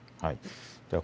では